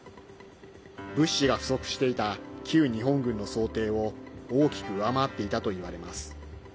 物資が不足していた旧日本軍の想定を大きく上回っていたといわれます。